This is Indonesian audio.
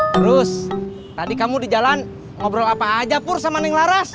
terus tadi kamu di jalan ngobrol apa aja pur sama neng laras